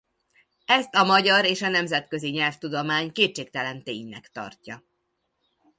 Ezt a magyar és a nemzetközi nyelvtudomány kétségtelen ténynek tartja.